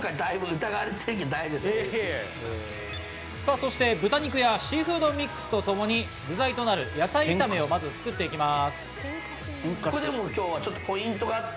そして豚肉やシーフードミックスとともに具材となる野菜炒めを作っていきます。